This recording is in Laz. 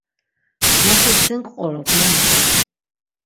Mati sin k̆qorop nana.